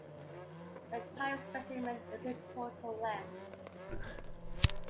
The type specimen is in total length.